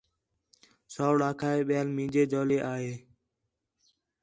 سَوڑ آکھا ہِے ٻِیال مینجے جولے آ ہے